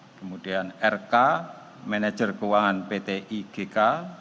kemudian rk manager keuangan ptigk